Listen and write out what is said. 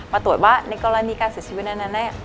ตรวจว่าในกรณีการเสียชีวิตนั้น